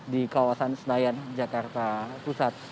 di kawasan senayan jakarta pusat